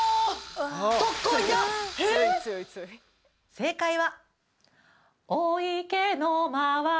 正解は。